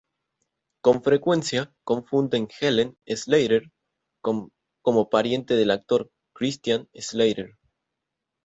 Con frecuencia, confunden Helen Slater como pariente del actor Christian Slater.